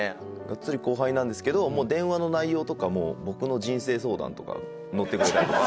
がっつり後輩なんですけど電話の内容とかも僕の人生相談とかのってくれたりとか。